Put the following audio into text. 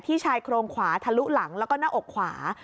ชายโครงขวาทะลุหลังแล้วก็หน้าอกขวา